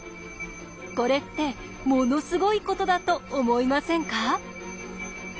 これってものすごいことだと思いませんか？